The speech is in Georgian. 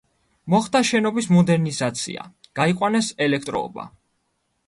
მოხდა შენობის მოდერნიზაცია, გაიყვანეს ელექტროობა.